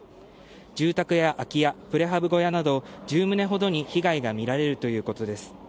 住宅や空き家、プレハブ小屋など、１０棟ほどに被害が見られるということです。